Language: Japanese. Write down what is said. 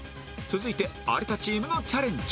続いて有田チームのチャレンジ